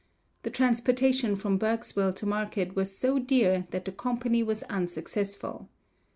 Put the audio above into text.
The transportation from Berksville to market was so dear that the company was unsuccessful.